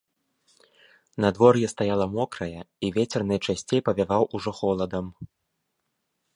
Надвор'е стаяла мокрае, і вецер найчасцей павяваў ужо холадам.